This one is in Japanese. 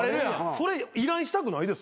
それ依頼したくないですわ。